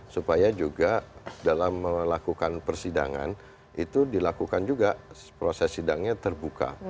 supaya juga dalam melakukan persidangan itu dilakukan juga proses sidangnya terbuka